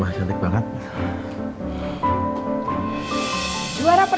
mama gak mau bantuin kamu